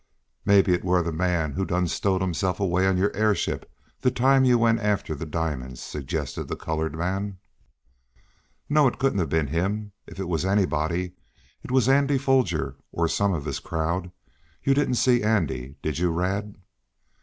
"Maybe it were th' man who done stowed hisself away on yo' airship, de time yo' all went after de diamonds," suggested the colored man. "No, it couldn't have been him. If it was anybody, it was Andy Foger, or some of his crowd. You didn't see Andy, did you, Rad?"